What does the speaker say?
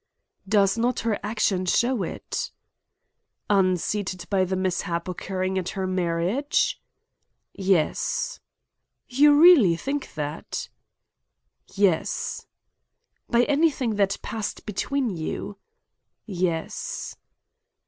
"Does not her action show it?" "Unseated by the mishap occurring at her marriage?" "Yes." "You really think that?" "Yes." "By anything that passed between you?" "Yes."